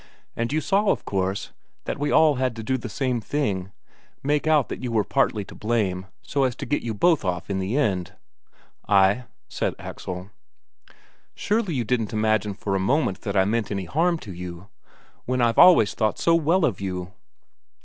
And you saw, of course, that we all had to do the same thing make out that you were partly to blame, so as to get you both off in the end." "Ay," said Axel. "Surely you didn't imagine for a moment that I meant any harm to you? When I've always thought so well of you!"